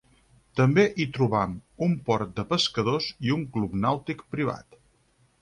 També hi trobam un port de pescadors i un club nàutic privat.